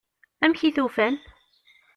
Amek i t-ufan?